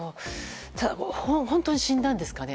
ただ、本当に死んだんですかね？